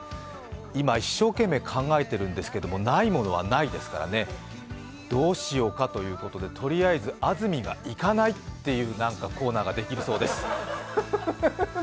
今、一生懸命考えているんですけれども、ないものはないですからどうしようかということでとりあえず「安住が行かない」っていうコーナーができるそうです。